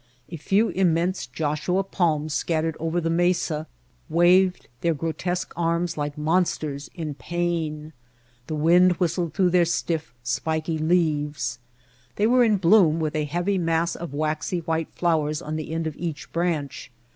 A few immense Joshua palms scattered over the mesa waved their grotesque arms like monsters in pain. The wind whistled through their stifif, spiky leaves. They were in bloom with a heavy mass of waxy white flowers on the end of each branch.